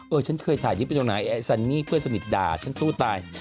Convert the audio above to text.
เออฉันเคยถ่ายคลิปในโรงหนังไอ้ไอ้สันนี่เพื่อนสนิทด่าฉันสู้ตาย